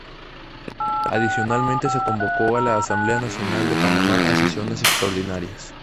Adicionalmente se convocó a la Asamblea Nacional de Panamá a sesiones extraordinarias.